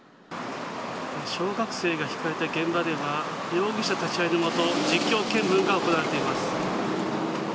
小学生がひかれた現場では容疑者立ち会いのもと実況見分が行われています。